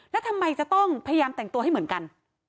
แล้วทำไมจะต้องพยายามแต่งตัวให้เหมือนกัน